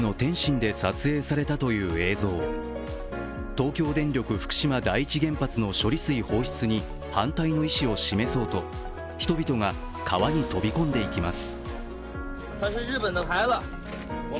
東京電力福島第一原発の処理水放出に反対の意思を示そうと人々が川に飛び込んでいきます。